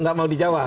nggak mau dijawab